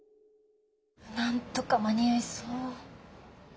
なんとか間に合いそう。